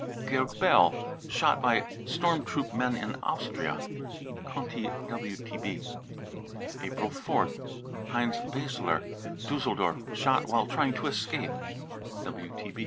georg bell, shot by storm troop men in Austria. (Conti WTB.) April 4th. heinz bassler, Dusseldorf, shot <c while trying to escape."